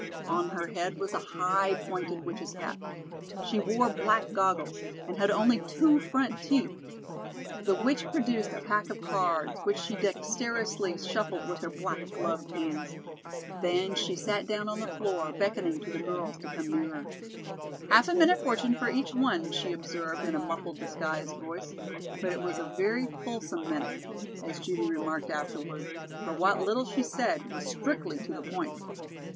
On her head was a high pointed witch's cap. She wore black goggles, and had only two front teeth. The witch produced a pack of cards which she dexterously shuffled with her black gloved hands. Then she sat down on the floor, beckoning to the girls to come nearer. "Half a minute fortune for each one," she observed in a muffled, disguised voice, but it was a very fulsome minute, as Judy remarked afterward, for what little she said was strictly to the point.